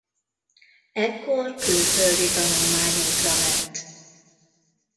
Ekkor külföldi tanulmányútra ment.